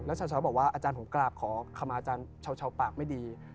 ชาวบอกว่าอาจารย์ผมกราบขอขมาอาจารย์เช้าปากไม่ดี